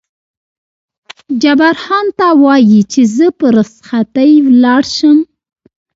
جبار خان: ته وایې چې زه په رخصتۍ ولاړ شم؟